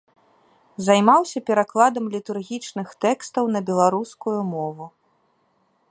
Займаўся перакладам літургічных тэкстаў на беларускую мову.